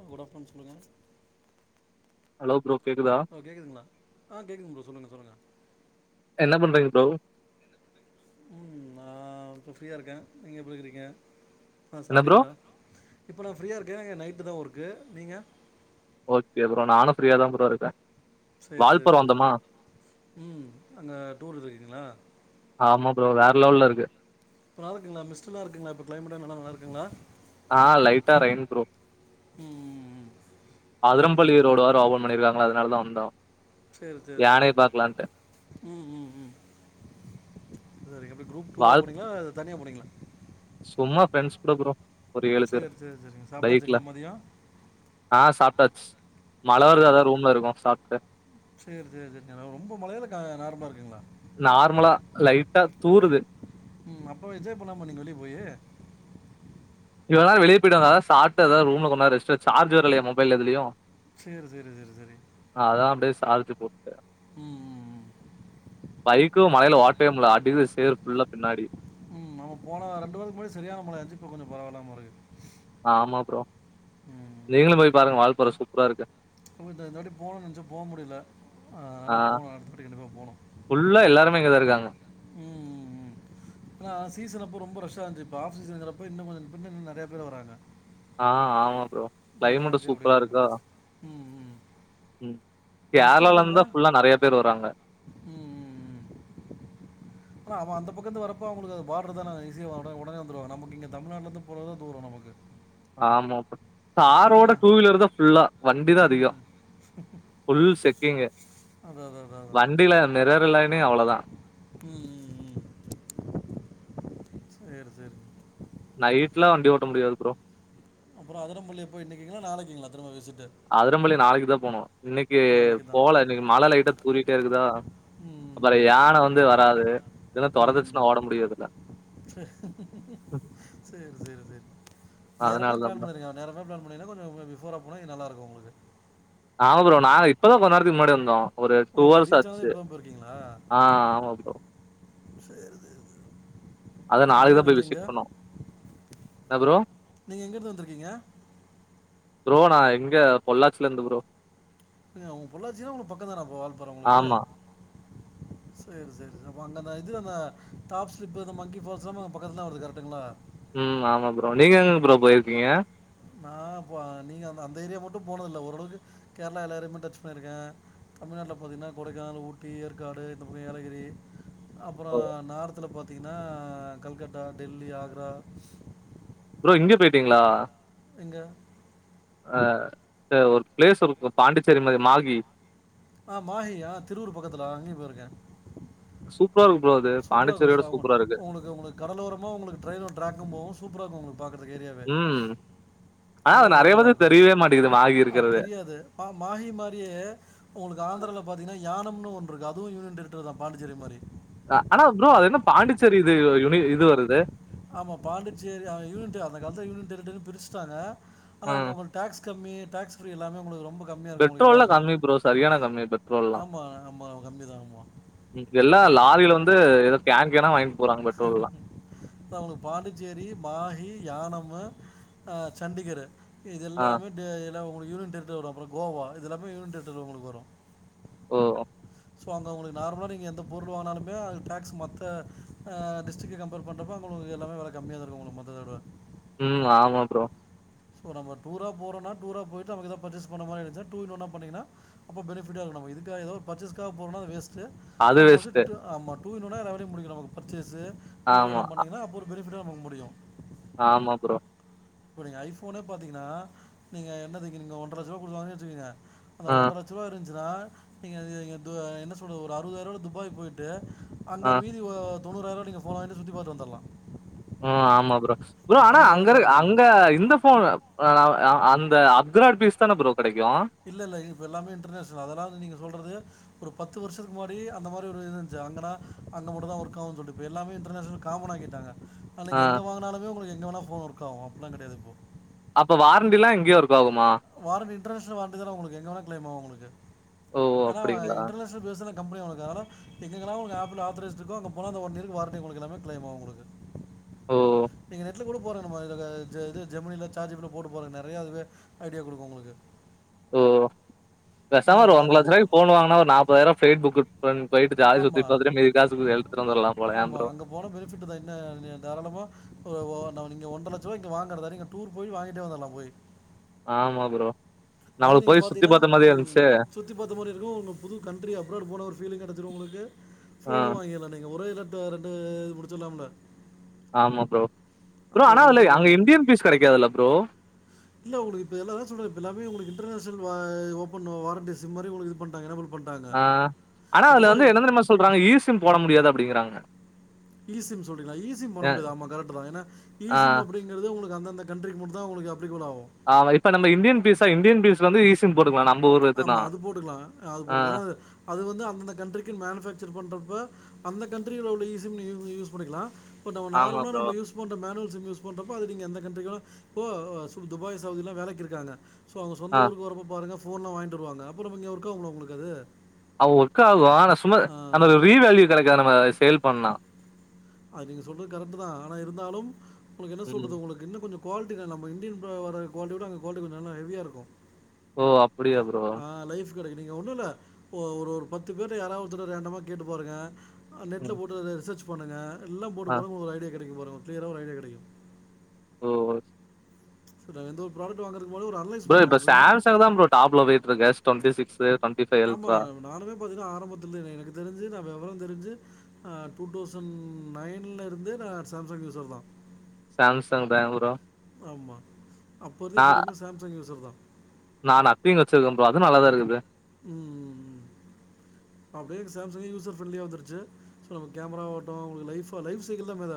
அ good afternoon சொல்லுங்க hello bro கேக்குதா ஓ கேக்குதுங்களா ஆ கேக்குதுங் ப்ரோ சொல்லுங்க சொல்லுங்க என்ன பண்றீங்க ப்ரோ நா இப்போ ஃப்ரீயா இருக்கே நீங்க எப்படி இருக்கிறீங்க ஆ என்ன ப்ரோ சாப்பிட்டீங்களா இப்ப நா ஃப்ரீயா இருக்கே நைட் க்குதா ஒர்க்கு நீங்க ஓகே ப்ரோ நானும ஃப்ரீயா தா ப்ரோ இருக்கே சேரி சேரி வால்பாற சேரிங் வந்தமா உம் அங்க டூர்ல இருக்கீங்களா ஆமா ப்ரோ வேற லெவல்ல இருக்கு இப்ப நல்ல இருக்குங்களா மிஸ்டுல இருக்குங்க இப்ப கிளைமேட நல்ல நல்ல இருக்குங்களா ஆ லைட்டா ரெயின் ப்ரோ ம் ம், ம். சரி அதரம்பள்ளி ரோடு வேற ஓபன் பண்ணிருக்காங் அதனால தா வந்தோ சேரி சேரி சேரிங்க யானைய பாக்கலான்ட்டு ம் ம் ம் சேரிங் எப்படி குரூப்டூரா வால் போனீங்களா தனியா போனீங்களா சும்மா ஃப்ரெண்ட்ஸ் கூட ப்ரோ ஒரு ஏழு பேர் சேரி சேரி சேரிங்க சாப்பிடாச்சுங்களா மதியோ தச் சேரி சேரி சேரி சேரிங்க ரொம்ப மழையில இல்ல க நார்மலா இருக் நார்மலா லைட்டா தூருது உ அப்போ என்ஜாய் பண்ணலாமே வெளிய போயீ இவ்ளோ நாள் வெளிய போய்டுவந்ததா அதா சாப்ட்டு ரூம்ல கொஞ்ச நேரோ ரெஸ்ட் எடுத்து சார்ஜு இல்லயா மொபைல்ல எதுலயு செரி செரி செரி செரி சார்ஜு போ பைக்கும் மலைல வாட்டவே முடில ஆட் உ அப்ப போன வா ரென்டு வாரதுக்கு முன்னாடி சரியான மழாயான்ச்சு இப்ப கொஞ்ச பரவால்ல முறைக்குது ஆமா ப்ரோ ம் நீங்களு போய் பாருங்க வாழ்பார சூப் ப்ராருக்கு [unintelligible] இந்த வாட்டி போனு நெனச்சே போ முடில ஆ ஆனா போனு அடுத்த வாட்டி கண்டிப்பா போனு ஃபுல்லா எல்லாருமே இங்கதான் இருக்காங்க. உ உ உ ஆனா சீசன் அப்ப ரொம்ப ரஷ் ப்பா இந்த பாசிசேங்ரப்போ இன்னு கொஞ்சோ இன்னு நெறைய பேர் வாறாங்க ஆ ஆமா ப்ரோ. கிளைமேட்டும் நல்லாதாருக்கு சூப்பரா அப்டிங்கிறாங்க இருக்கா. உ உ உ கேர்ளாலந் தா ஃபுல்லா நெறைய பேர் வராங்க ம் ம், அந்தப்பக்கருந்து வரப்ப அவளுக்கு அது பார்டர் தான ஈஸியா வாட உடனே வந்துருவாங்க நமக்கு இங்க தமிழ்நாட்டுல இருந்து போறதா தூரோ நமக்கு ஆமாப்போ அங்கே காரோட டூவீலர் தா ஃபுல்லா வண்டி தா அதிகோ ம் ஃபுல் செக்கிங்கு அதா தா தா தா தா வண்டில தா மிரர் இல்லைனே அவ்ளோதான். உ உ உ உ சேரி சேரி நைட்லா வண்டி ஓட்ட முடியாது ப்ரோ அப்றோ அதுரம்புள்ளி போய் இன்னிக்கீங்ளா நாளைக்குங்ளா திரும்ப விசிட் அதுரம்பல்லி நாளைக்கு தா போனு இன்னக்கு நாளைக்கு தான் போல இன்னக்கி மழ லைட்டா தூறிட்டே இருக்குதா அப்பறோ ம் யான வந்து வராது எதுனா ம், ம் தொறத்துச்சுனா ஓட முடியாதுல சேரி சேரி நேரமே பிளான் பண்ணிருங்க நேரமே பிளான் பண்ணீங்கன்னா கொஞ்சோ பிஃபோரா போனா நல்லாருக்கு ப்ரோ உங்களுக்கு ஆமா ப்ரோ நா இப்பதா கொஞ்ச நேரத்துக்கு முன்னாடி வந்தோ ஒருரீச்சாவதே இப்பதா போயிருக்கீங்ளா ஆ ஆமா ப்ரோ சேரி சேரி செரி அத எங்க நாளைக்கு தான் போய் இருந்து எங்க விசிட் பண்ணோம். என்ன ப்ரோ? நீங்க எங்க இருந்து வந்துருக்கீங்க ப்ரோ நா இங்க பொள்ளாச்சிலருந்து ப்ரோ ஏங்க ஒங்க பொள்ளாச்சினா உங்களு பக்கோந்தானப்ப வால்பாற உங்களுக்கு ஆமா. சேரி சேரி அப்ப அங்கந்த இது அந்த டாப் ஸ்லிப்பு அந்த மங்கி ஃபால்ஸ் எல்லாமே அங்க பக்கத்துலதா வருது கரெக்டுங்களா உ ஆமா ப்ரோ நீங்க எங்கங்க ப்ரோ போயிருக்கீங்க நா நீங்க அ அந்த ஏரியா மட்டு போனதில்ல ஓரளவுக்கு கேரளா எல்லாரையுமே டச் பண்ணிருக்க தமிழ்நாட்டுல பாத்தீங்கன்னா கொடைக்கானல் ஊட்டி ஏற்காடு இந்த பக்கோ ஏலகிரி அப்புறோ ஓ! நார்த்துல பாத் பாத்தீங்கன்னா கல்கத்தா டெல்லி ஆக்ரா ஃப்ரோ இங்யு போயிட்டீங்களா எங்க அ ஒரு பிளேஸ் இருக்கு பாண்டிச்சேரி மாரி மாகி ஆ மாஹியா திருவூர் பக்கத்துல அங்கயு போயிருக்க சூப் சூப்பராருக்கு சார் உங் உங்களுக்கு உங்குளுக்கு கடலோரமா உங்களுக்கு ட்ரைனு ட்ராக்கு போவு சூப்பராருக்கு உங்களுக்கு பாக்குறதுக்கு ஏரியாவே ம். ஆனா அது நெறைய நால்லவங்களுக்கு நல்லா பேத்துக்கு இருக்கு தெரியவே மாட்டேங்குது மாகி அத் இருக்கிறது. தெரியாது மாஹி மாரியே உங்களுக்கு ஆந்ராவுல பாத்தீங்கன்னா யானம் இன்னொன்று இருக்கு அதுவு யூயன் டேரக்டர்தா பாண்டிச்சேரி மாரி ஆனா ஃப்ரோ அது என்ன பாண்டிச்சேரி இது யுனி இது வருது ஆமா பாண்டிச்சேரி யூனிட்டு அந்த காலத்து யூனிட்டு இருந்தத பிருச்சுட்டாங்க ஆனா அங்க ம். உங்களுக்கு டேக்ஸ் கம்மி டேக்ஸ் எல்லாமே உங்களுக்கு ரொம் பெட்ரோல்லா கம்மி ஃப்ரோ சரியான கம்மி பெட்ரோல்லா ஆமாம் ஆமாம் கம்மி தான் ஆமாம் எல்லா லாரில வந்து ஏதோ கேன் கேன்னா வாங்கின் அப்ப அவங்களுக்கு பாண்டிச்சேரி மாஹி யானம் ம்மா ஆ சண்டிகரு ஆ இதெல்லாமே டேயில் ல்லா உங்களுக்கு யூனியன் வரு அப்பறோ கோவா இதெல்லாமே யூனியன் டென்டுலதா உங்களுக்கு வரு ஓ சோ அங்க உங்களுக்கு நார்மலா நீங்க எந்த பொருள் வாங்கனாலுமே அது டேக்ஸ் மத்த அ டெஸ்ட்டுக்கு கம்பேர் பண்றப்ப உங்களுக்கு எல்லாமே வெல கம்மியாதா இருக்கு உங்களுக்கு மத்தத விட ம் ஆமா ஃப்ரோ சோ நம்ம டூரா போறோன்னா டூரா போய்ட்டு ஏதாவது பர்சேஸ் பண்ண மாரி இருந்தா டூயின் ஒண்ணா பண்ணிங்கன்னா அப்ப பெனிஃப்டா இருக்கு நமக்கு இதுக்கா எதோ ஒரு பர்ச்சேஸ்காக போறோனா அது வேஸ் ஸு அது வேஸ்ட் ஒதட்டு ஆமாட் டூர்னவொனே எல்லா வேலயு முடிஞ்சிரு நமக்கு பர்ச்சேஸு டூர் ஆமா எல்லாம் பண்ணீங்கன்னா அப்ப ஒரு பெனிஃப்டா போ முடியு ஆமா ஃப்ரோ இப்ப நீங்க ஐஃப்போன்னே பாத்தீங்கன்னா நீங்க என்னது இங்க நீங்க ஒண்ர லட்சோ ரூவா குடுத்து வாங்கிங்க வெச்சுக்கங்க அந்த ஆ ஒன்ர லட்சரூவா இருஞ்ச்சு இதுதா நீங்க இது என்ன சொல்றது ஒரு அறுபதாயிருபால துபாய் போயிட்டு அங்க ஆ வீதி ஓ முன்னூறுவாய்ல நீங்க ஃபோன வாங்கிட்டு சுத்தி பாத்துட்டு வந்துருலா ம் ஆமா ஃப்ரோ ஃப்ரோ ஆனா விலை அங்க இரு கம்மி. அங்க இந்த ஃபோனு அ அந்த அப்கிராடு பீஸ்தான ஃப்ரோ இல்ல இல்ல இப்ப எல்லாமே இன்டர்நேஷனல் அதனால நீங்க சொல்றது ஒரு பத்து வருஷத்துக்கு முன்னடி அந்த மாரி ஒரு இது இருந்துச்சு அந்தனா அங்க மட்டு தா ஒர்க் ஆகு சொல்லிட்டு எல்லாமே இன்டர்நேஷனல் காமனாகிட்டாங்க அன்னைகி எங்க வாங்குனாலுமே உங்களுக் எங்கவேனா போன் ஒர்க் ஆகு அப்டிலா கிடையாது ப்ரோ அப்ப வாரண்டி எல்லா எங்கியோருக் வாரண்டி இண்டர்நேஷனல் வாரண்டி த உங்குளுக்கு எங்க வேணா கிளைம் ஆகு உங்களுக்கு ஓ அனா அப்டிங்களா இண்டர்நேஷனல் பேசுலன் கம்பனி உனக் ஆனா திங்ககிழம உங்க ஆப்பிள் ஆஃப்ரைஸ்ட் இருக்கு அங்க போனா அந்து ஒன் இயர்க்கி வாரண்டி உங்குளுக்கு எல்லாமே கிளைம் ஆகு ப்ரதர் ஓ நீங் என்னாச் த்துக் கூட போறது நம்ம இத இது ஜெமினியில சார்ஜிபிலோ போட்டு போற நெறைய அதுவே ஐடியா குடுக்கு உங்குளுக்கு உம் பேசாம ஒரு ஒன்ற நேரம் லட்ச ரூபாய்க்கு போனு வாங்குனா ஒரு நாப்பதாயிரம் ஃபேயிட் புக்கு ஆமா எடுத்துட்டு வந்துரலா போல ஏன் ஆமா ப்ரோ அங்க போன பெனிபிட்தா என்ன நீ தாராளமா ஒ ஓ எனா அவுன் ஒண்ற லட்ச ரூவா இங்க வாங்கறதா யாரு நீங்க டூர் போய் வாங்கிட்டே வந்தர்லா போய் ஆமா ப்ரோ அது நம்மளுக்கு நீங்க போய் சுத்தி பாத்தீங்கனா பாத்த மாரியே ம் இருந்துச்சு சுத்தி பாத்த மாரி இருக்கு உங்க புது கண்ட்ரி அப்ரோட் போன ஒரு பீலிங் கெடைச்சுரு உங்குளுக்கு ஆ போனு வாங்கிறலா நீங்க ஒரே இத இந்த ரெண்டேயை முடிச்சிலாம்ல ஆமா ப்ரோ ப்ரோ அப்போ ஆனா அதுல்ல பெனிஃபிட் தானே அங்க உங்களுக்கு இந்தியன் பீஸ் கிடைக்காதுல்ல ப்ரோ இல்ல உங்களுக்கு இப்ப எல்லாம் அதான் சொல்றேன். இப்ப செல் வா ஓப்பன்னு வாரண்டி சிம் மாரி உங்குளுக்கு இது பண்டாங்க ஏனா [unintelligible] ஆ ஆனா அதுல வந்து என்ன தெரிமா சொல்றாங்க ஈ சிம் போட முடியாது அப்பிடிங்கிறாங்க ஈசிம் சொல்றிங்ளா ஈசிம் போட முடியாது ஆமா கரெக்ட்டுதா ஆ ஈசிம் அப்பிடிங்கிறது உங்குளுக்கு அந்த இந்த கண்ட்ரிக்கு மட்டு தா உங்குளுக் அப் ஆமா இப்ப நம்ம இந்தியன் பீஸ்சா இந்தியன் பீஸ் வந்து ஈஸ் சிம் போட்டுக்குலா நம் ஆமா அது போட்டுக்குலா அது போட்டுக்க ஏனா அது வந்து அந்தந்த கண்ட்ரிக்கு மேனுபக்சர் பண்றப்ப அந்த கண்ட்ரில உள்ள ஈசிம் நீ யூ யூஸ் பண்ணிக்குலா பட் அவன் ஆமா நார்மலா ப்ரோ. நம்ம யூஸ் பண்ற மேனுவல் சிம் யூஸ் பண்றப்ப அது நீங்க எந்த கண்ட்ரிக் வேனா போ வோ சு துபாய் சவுதிலா வேலைக்கி இருக்காங்க சோ அவுங்க சொந்த ஆ ஊக்கு வரப்பு பாருங்க போன்லா வாயிந்தருவாங்க அப்புறம் இங்க ஒர்க்காகுங்களா உங்குளுக்கு அது அவ் ஒர்க்காகு ஆனா சும்மா ஆ. அந்த வீவேல்யூ கெடைக்கு நம்ம சேல் பண்ணா அது நீங்க சொல்றது கரெக்ட்டு தா ஆனா இருந்தாலும் உங்குளுக்கு என்ன ம். சொல்றது உங்குளுக் இன்னு கொஞ்சு கோல்ட்டில நம்ம இந்தியன் பே வர கோல்ட்டி விட உங்க கோல்ட்டி கொஞ்ச நல்ல எவியா இருக்கு ஓ அப் அப்டியா ப்ரோ நீங்க ஒன்னு இல்ல ஒரு ஒரு பத்து பேர் யாராவதுட ரேண்டமா கேட்டு பாருங்க நெட்ல ம். போட்டுறத சர்ச் போண்ணுங்க எல்லா போட்டு ஆ. பாருங்க உங்களுக்கு ஐடியா கெடைக்கு கிளியரா ஒரு ஐடியா கெடைக்கு ஓ ஒ ச வந்து ப்ரோடக்ட் வாங்கறது ப்ரோ இப்ப சாம்சங் தா ப்ரோ டாப்ல போயிட்டு இருக்கு டொன்டிசிக்ஸ் ஆமா நானுமே பாத்தீங்கன்னா ஆரம்பத்துல எனக்கு தெரிஞ்சு நா வெவர தெரிஞ்சு ஆ டூ தௌசண்ட் நைன்ல இருந்து நா சாம்சங் யூசர் தா சாம்சங் பேங் ப்ரொ ஆமா அப்பவெ போரிமா சாம்சங் யூசர் தா நா அப்பிங்குவச்சிருக்கே அதுவு நல்லாதா இருக்குது ம் ம் அப்டியே சாம்சங்கு யூசர் ஃப்ரெண்ட்லியா வந்துருச்சு கேமரா வாட்டு ஒரு லைஃப் சைடுல மொத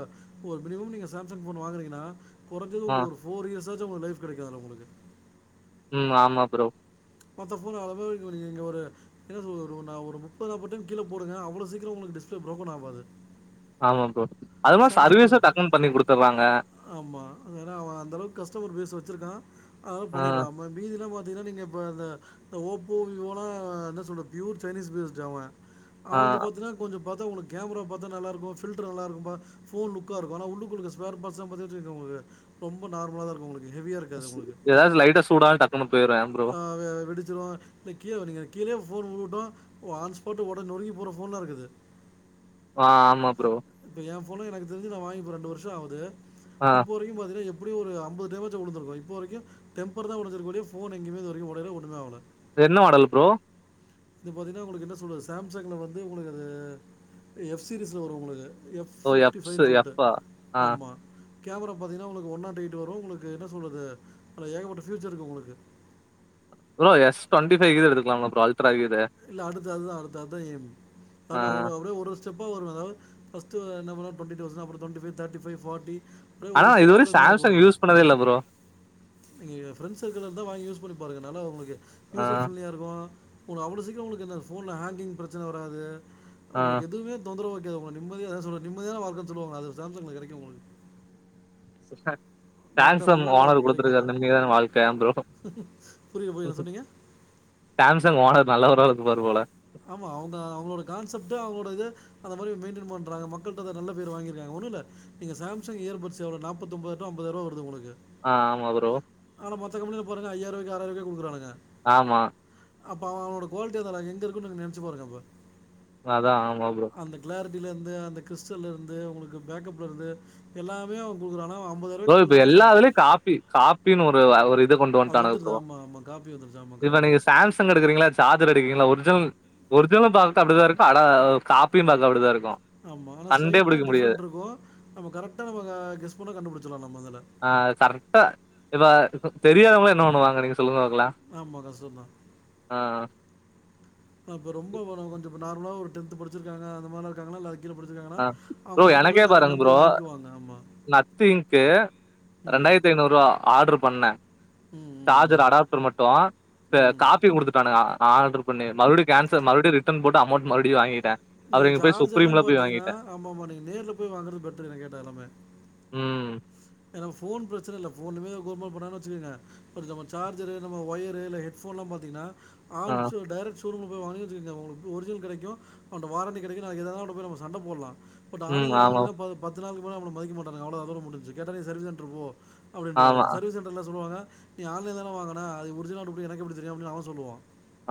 ஒரு மினிமம் நீங்க சாம்சங் போன் வாங்குனிங்கன்னா குறைஞ்சது ஆ. உங்களுக் ஒரு போர் இயர்ஸ் தச்சும் உங்க லைஃப் கிடைக்கதுல்ல உங்களுக்கு ம் ஆமா ப்ரோ மத்த ஃபோனு அதாவது இங்க ஒரு என்ன சொல்றது ஒரு நா ஒரு முப்பது அம்பது டைம் கீழே போடுங்க அவ்ளவு சீக்கிரம் உங்களுக்கு டிஸ்பிளே ப்ரோக்கன் ஆகாது ஆமா ப்ரோ. அதுவும் சம்சங்க சர்வீஸும் டக்குன்னு பண்ணி குடுத்துடுறாங்க. ஆமா ஏன அவ அந்த அளவுக்கு கஸ்டமர் பேஸ் வச்சிருக்கா அதானால் ஆ. பண்ணிட்ரா பீதிலா இத நீங்க ஓப்போ விவோலா என்ன சொல்ற ப்யூர் சைனீஸ் பீஸ்டு அவ ஆ. அவுந்து பாத்தீன்னா கொஞ்ச பாத்தா உங்களுக்கு கேமரா பாத்தா நல்லா இருக்கு ஃபில்டர் நல்லா இருக்கு ஃபோன் லுக்காக இருக்கு ஆனா உள்ளுக்குள் ஸ்பேர் பார்ட்ஸ்லா பாத்தின்னா உங்களுக்கு ரொம்ப நார்மலாக இருக்கு உங்களுக்கு ஹெவியாக இருக்காது ஏதாது லைட்டா சூடா டக்குன்னனு போய்டு ஹ வெ வெடிச்சிரு க் கீழே வங்க கீழே போன் டு ஆன்ஸ்பாட்ல உட நொறுங்கி போற ஃபோன்லா இருக்குது ஆ ஆமா ப்ரோ இப்போ என் போனே எனக்கு தெரிஞ்ச நா வாங்கி ரெண்டு வருஷ ஆகுது ஆ இப்ப வரைக்கு பாத்தீங்கன்னா எப் எப்டியு ஒரு ஐம்பது டைமாச்சு உழுந்துறுக்கு இப்ப வரைக்கு டெம்பர் தா ஒடஞ்சிஒழிய ஃபோன் எங்கயுமே உடையள ஒண்ணுமே ஆகல என்ன மாடல் ப்ரோ இது பாத்தீங்கன்னா உங்களுக்கு என்ன சொல்றது சாம்சங்ல வந்து உங்களுக்கு அது எப் சீரிஸ்ல வரு உங்களுக்கு எஃப் ஓ ஃபிப்டி எஃப்ஸ் ஃபைனு சொல்ட்டு எஃப்பா ஆ ஆமா கேமரா பாத்தீங்கன்னா உங்களுக்கு ஒன் நாட் எயிட் வரும் உங்களுக்கு என்ன சொல்றது ஏகப்பட்ட ஃபியூச்சர் இருக்கு உங்களுக்கு ப்ரோ எக்ஸ் ட்டுவன்டிஃபைவ்கீது எடுக்கலாமா ப்ரோ அல் இல்ல அடுத்து அதுதா அடுத்து அதா ஏம் ஆ ஆனா ஒரு அப்டே ஒரு ஸ்டெப்பா வரு அதாவு ஃபஸ்ட்டு என்ன பண்ண டொண்டி தௌச அப்பற டொன்ட்டி ஃபை தேட்டி ஃபை ஃபாட்டி அப்டிய ஆனா ஒரு ஸ்டெப்பா இதுவரையு அப்டி மேல போவ சாம்சங் யூஸ் பண்ணதே இல்ல ப்ரோ நீங்க ஏ ஃப்ரண்ட்ஸ் சர்க்கள்லருந்தா வாங்கி யூஸ் பண்ணி பாருங்க நல்லா உங்ளுக்கு ஆ யூசர் ஃப்ரெண்ட்லியா இருக்கு [unintelligible] அவ்ள சீக் கிரொ ஒங்களுக்கு இந்த ஃபோன்ல ஹேங்கிங் பிரச்சன வராது ஆ உங்களுக்கு எதுவுமே தொந்தரவு ஒங்க நிம்மதியா அதா சொல்ற நிம்மதியான வாழ்க்கன் சொல்லுவாங்கல அது ஸாம்ஸங்கல கெடைக்கு உங்களுக்கு [unintelligible] மற்ற சாம்சங் மொபைலில் ஓனர் அப்படி கிடைக்காது குடுத்துருக்காரு ஆமாம் நிம்மதியான வாழ்க்க ஏம் ப்ரோ புரியல போய் என்ன சொன்னீங்க சாம்சங் ஓனர் நல்லவரா இருந்துப்பாரு போல ஆமா அவுங்க அவுங்ளோட கான்செப்ட்டு அவுங்ளோட இது அந்த மாரி மெயின்டென் பண்றாங்க மக்கள்ட்ட அதா நல்ல பேர் வாங்கிர்காங்க ஒன்னுல்ல இங்க சாம்சங் இயர்பட்ஸ் எவ்ளொ நாப்பத்தொம்பது டூ அம்பதாயருவா வருது உங்களுக்கு ஆ ஆமா‌ ப்ரோ மத்த கம்பெனில பாருங்க ஐயாருவாய்க்கொ ஆறாய்றவாய்க்கோ குடுக்குறானுங்க ஆமா அப்ப அவ அவனோட குவாலிட்டி அதாதா எங்க இருக்குன்னு நென்ச்சு பாருங்க அப்ப அதா ஆ அந்த க்ளாரி ட்டிலெந்து அந்த கிறிஸ்டல்லெர்ந்து உங்களுக்கு பேக்கப்லெர்ந்து எல்லாமே அவங் குடுக்குறாங்க ப்ரோ இப்ப எல்லா இதுலயு காப்பி காப்பினு ஒரு ஒரு இ து கொண்டு அது வன்டாணுங்க வந்துடுது ப்ரொ ஆமாம் ஆமாம் காப்பி வந்துடுச்சு ஆமாம் இப்ப கரெக்டு நீங்க சாம்சங் எடுக்குறீங்களா சார்ஜர் எடுக்கீங்களா ஒரிஜினல் ஒரிஜினலு பாத்த அப்டிதா இருக்கு அட காப்பியு பாக்க அப்டிதா இருக் ஆமா ஆனா ஸ்லைட்டா டிஃப்ரெண்ட்ருக்கு நம்ம கரெக்டா நம்ப க கெஸ் பண்ணா ஆ கரெக்டா இப்ப தெரியாதவ்ங்ளா என்ன பண்ணுவாங்க நீங்க சொல்லுவாங்களா ஆமாம் ஆ ஆ இப்ப ரொம்ப பண கொஞ்ச ப நார்மலா ஒரு டென்த்து படுச்சுருக்காங்க அந்த மார்ல இருக்காங்கனால்ல அது ஆ ப்ரோ எனக்கே பாருங்க ப்ரோ வாங்கிக்குவாங்க ஆமாம் நத்திங்க்கு ம் ரெண்டாயிரத்தய்னூருவா ஆட்ரு பண்ணே ம் ம் ம் சார்ஜர் அடாப்டர் மட்டு த ம் காப்பி குடுத்துட்டானுங்கா ஆட்ரு பண்ணி மறுபுடி கேன்சல் மறுபுடி ரிட்டன் போட்டு அமௌண்ட் மறுபுடி வாங்கிட்டே அப்புறோ நீங்க இங்க போய் சுப்ரீம்ல சார்ஜர்லாம் போய் பாத்திங்கனா வாங்கிட்டே ஆமா ஆமா நீங்க நேர்ல போய் வாங்குறது பெட்ரு என்ன கேட்டாலுமே ம் எனக்கு ஃபோன் பிரச்சன இல்ல ஃபோனுமே [unintelligible] வச்சுக்கங்க [unintelligible] நம்ம சார்ஜரு நம்ம ஒயரு இல்ல ஹெட்ஃபோன்லா பாத்திங்கனா ஆ ஆன் ஷோ டரெக்க்ஷ துருபு போய் வாங்கி வச்சிக்கங்க ஒங்களுக்கு ஒரிஜினல் கெடைக்கு அவண்ட வாரண்டி கெடைக்கு நாளைக்கு எதாவது ஒன்னு போய் நம்ப சண்ட போல்லா பட் ம் ஆன்லைன்ல ஆமா வாங்கறதுனா பா பாத் எதிராளி பூரா நம்பள மதிக்க மாட்டானுக அவ்ளோதா அதோட முடிஞ்சு கேட்டா நீ சர்வீஸ் சென்டரு போ ஆமா அப்டின்றுவானுங்க சர்வீஸ் சென்டர்ல சொல்லுவாங்க நீ ஆன்லைன்ல தான வாங்கன அது ஒரிஜினலா டூப்ளிகேட்டா எனக்கு எப்படி தெரியு அப்டினு அவ சொல்லுவா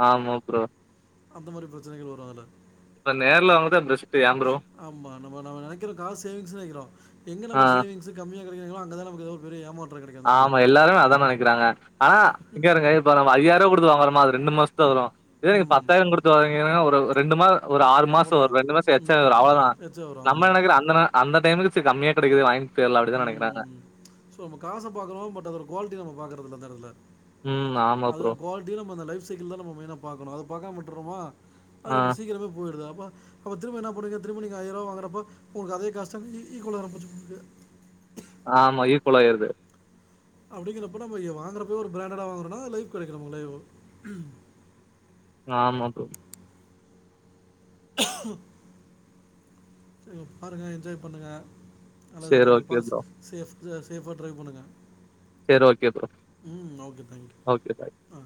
ஆமா ப்ரோ அந்த மாரி பிரச்சனைகள் வரு அதுல இப்ப நேர்ல வாங்கற்தா [unintelligible] ப்ப ய ப்ரோ ஆமாம் நம்ம நம்ம நெக்கிறோ காசு சேவிங்ஸ்சு நெனைக்கிறோ எங்க ஆ நம்ம ஆ சேவிங்ஸு கம்மியா இருக்கு நெனைக்கிறிங்ளோ அங்கதா நமக்கு ஏதோ ஒரு பெரிய ஏமா ஆமா எல்லாருமே அதான நெனைக்கறாங்க ஆனா இங்க பாருங்க இப்ப நம்ம ஐய்யாயருவா குடுத் த்து வாங்கறமா அது ரெண்டு மாச [unintelligible] இதுவே நீங்க ம் பத்தாயிரம் குடுத்து வாங்குனீங்கனா ஒரு ரெண்டு மா ஒரு ஆறு மாசோ ஒரு அவ்வளோதான் ரெண்டு மாசோ எக்சா வரு ம் அவ்ளோதா எச்சா வரும் நம்ப ஆமாம் நெனக்ரோ அந்த நே அந்த டைம்க்கு சு கம்மியா கெடைக்குது வாங் இப்ப எல்லா அப்டிதா நெனைக்றாங்க பாக்குரோ பட் அதோட குவாலிட்டி நம்ம பாக்றது இல்ல அதான இதுல ம் ஆமா அதுதா ப்ரோ. குவாலிட்டியு நம்ம அந்த லைஃப் சைக்கிள் தா நம்ம மெயினா பாக்கணு அத பாக்காம விட் ட்டுறோமா அது ஆ நமக்கு சீக்கிரமே போய்டுதாம் ப்ப அப்ப திரும்ப என்ன பண்ணுவீங்க திரும்ப நீங்க ஐயாயிரூவா வாங்குறப்ப உங்களுக்கு அதே காஸ்தான இ ஈக்குவளா வர [unintelligible] ஆமா ஈக்குவல் ஆயிற்து அப்டிங்கறப்ப நம்ம எ வாங்குறப்பவே ஒரு பிராண்டடா வாங்குறோன்னா லைஃப் கெடைக்கு நமக்கு லைஃப் வரு ஆமா ப்ரோ ம் பாருங்க என்ஜாய் பண்ணுங்க நல்லது சரி நாளைக்கு ஓகே பாஸ் ப்ரோ. சேஃப் ச சேஃபா ட்ரைவ் பண்ணுங்க சேர் okay bro thank you okay bye ஆ